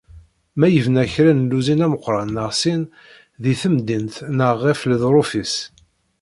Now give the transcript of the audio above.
Ma yebna kra n luzin ameqqran neɣ sin deg temdint neɣ ɣef leḍruf-is.